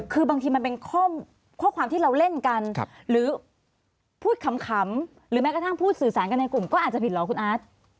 คือบางทีมันเป็นข้อความที่เราเล่นกันหรือพูดขำหรือแม้กระทั่งพูดสื่อสารกันในกลุ่มก็อาจจะผิดเหรอคุณอาร์ต